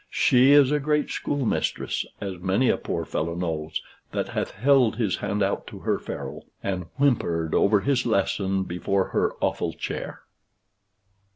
She is a great schoolmistress, as many a poor fellow knows, that hath held his hand out to her ferule, and whimpered over his lesson before her awful chair.